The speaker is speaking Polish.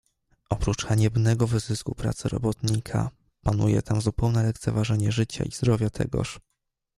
"Oprócz haniebnego wyzysku pracy robotnika, panuje tam zupełne lekceważenie życia i zdrowia tegoż."